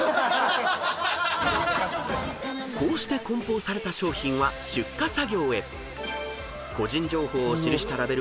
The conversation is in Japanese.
［こうして梱包された商品は出荷作業へ］